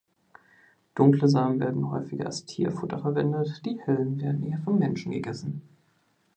Dunkle Samen werden häufig als Tierfutter verwendet, die hellen werden eher vom Menschen gegessen.